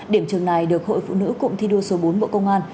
điểm trường này được hội phụ nữ cụng thi đua số bốn bộ công an